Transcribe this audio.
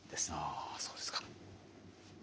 あそうですか。